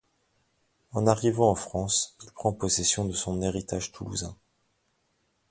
En arrivant en France, il prend possession de son héritage toulousain.